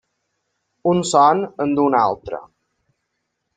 Un son en du un altre.